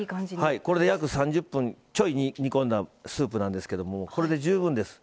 これで、約３０分ちょい煮込んだスープなんですがこれで十分です。